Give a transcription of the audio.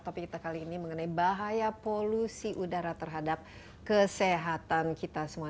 topik kita kali ini mengenai bahaya polusi udara terhadap kesehatan kita semua